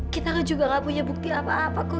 kita kan juga gak punya bukti apa apa kok